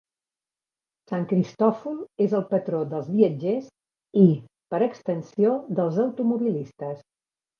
Sant Cristòfol és el patró dels viatgers i, per extensió, dels automobilistes.